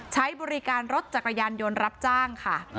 ใช้บริการรถจักรยานยนต์รับจ้างค่ะ